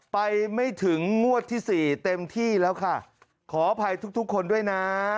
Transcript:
ไปไม่ถึงงวดที่สี่เต็มที่แล้วค่ะขออภัยทุกทุกคนด้วยนะ